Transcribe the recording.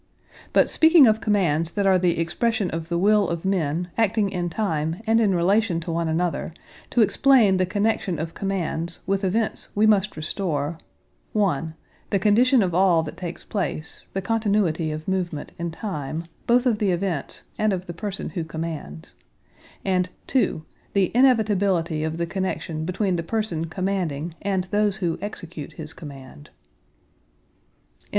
But speaking of commands that are the expression of the will of men acting in time and in relation to one another, to explain the connection of commands with events we must restore: (1) the condition of all that takes place: the continuity of movement in time both of the events and of the person who commands, and (2) the inevitability of the connection between the person commanding and those who execute his command.